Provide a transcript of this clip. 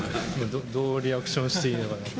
どうリアクションしていいのか。